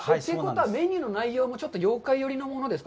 メニューの内容も、ちょっと妖怪寄りのものですか？